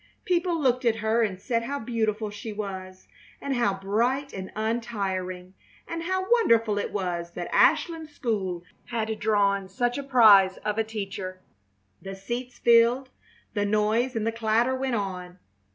People looked at her and said how beautiful she was, and how bright and untiring; and how wonderful it was that Ashland School had drawn such a prize of a teacher. The seats filled, the noise and the clatter went on.